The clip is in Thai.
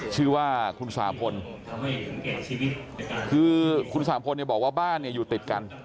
ชื่อว่าคุณสาพลคือคุณสาพลเนี่ยบอกว่าบ้านเนี่ยอยู่ติดกัน